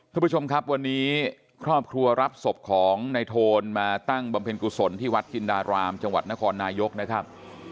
คุณผู้ชมครับวันนี้ครอบครัวรับศพของในโทนมาตั้งบำเพ็ญกุศลที่วัดจินดารามจังหวัดนครนายกนะครับ